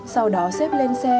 sau đó xếp lên xe